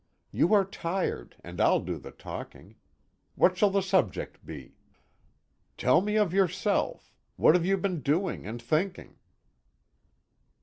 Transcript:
"You are tired, and I'll do the talking. What shall the subject be?" "Tell me of yourself. What have you been doing and thinking?"